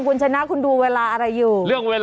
คุณชนะคุณดูเวลาอะไรอยู่